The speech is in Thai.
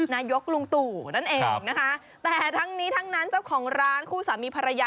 นายกลุงตู่นั่นเองนะคะแต่ทั้งนี้ทั้งนั้นเจ้าของร้านคู่สามีภรรยา